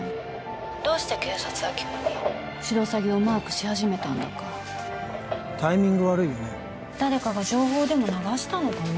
☎どうして警察は急にシロサギをマークし始めたんだかタイミング悪いよね☎誰かが情報でも流したのかな